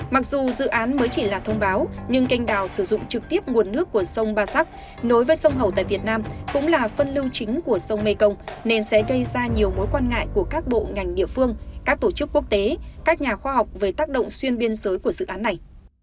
mặc dù dự án mới chỉ là thông báo nhưng canh đào sử dụng trực tiếp nguồn nước của sông ba sắc nối với sông hậu tại việt nam cũng là phân lưu chính của sông mekong nên sẽ gây ra nhiều mối quan ngại của các bộ ngành địa phương các tổ chức quốc tế các nhà khoa học về tác động xuyên biên giới của dự án này